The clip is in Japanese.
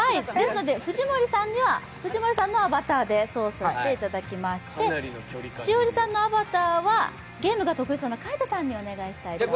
藤森さんには藤森さんのアバターで操作していただいて栞里さんのアバターはゲームが得意そうな海音さんにやってもらいます。